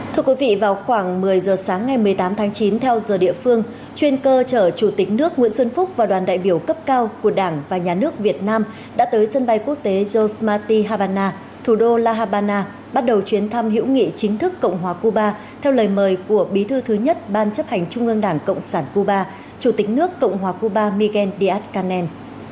thưa quý vị vào khoảng một mươi giờ sáng ngày một mươi tám tháng chín theo giờ địa phương chuyên cơ chở chủ tịch nước nguyễn xuân phúc và đoàn đại biểu cấp cao của đảng và nhà nước việt nam đã tới dân bay quốc tế yosemite habana thủ đô la habana bắt đầu chuyến thăm hữu nghị chính thức cộng hòa cuba theo lời mời của bí thư thứ nhất ban chấp hành trung ương đảng cộng sản cuba chủ tịch nước cộng hòa cuba miguel díaz canel